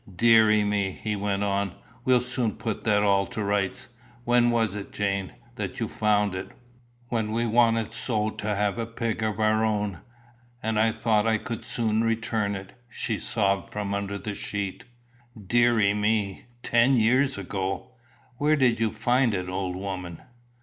"Deary me!" he went on; "we'll soon put that all to rights. When was it, Jane, that you found it?" "When we wanted so to have a pig of our own; and I thought I could soon return it," she sobbed from under the sheet. "Deary me! Ten years ago! Where did you find it, old woman?"